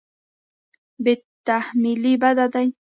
بې تحملي بد دی.